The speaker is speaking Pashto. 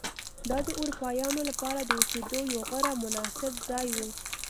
دا د اروپایانو لپاره د اوسېدو یو غوره او مناسب ځای و.